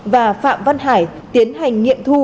và phạm văn hải tiến hành nghiệm thu